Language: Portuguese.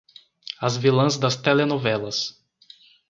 As vilãs das telenovelas